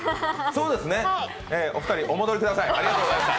そうですね、お二人、お戻りください。